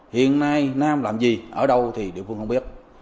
hiện nay nam làm gì ở đâu thì địa phương không biết